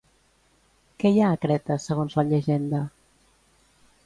Què hi ha a Creta, segons la llegenda?